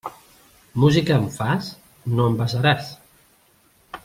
Música em fas? No em besaràs.